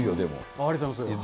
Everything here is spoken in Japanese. ありがとうございます。